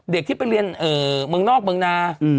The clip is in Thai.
เด็กที่ไปเรียนเมืองนอกเมืองนา